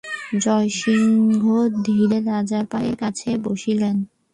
জয়সিংহ ধীরে ধীরে রাজার পায়ের কাছে বসিলেন।